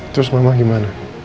terus mama gimana